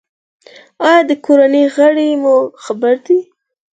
ایا د کورنۍ غړي مو خبر دي؟